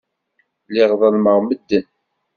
Lliɣ ḍellmeɣ medden.